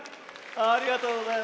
ありがとうございます。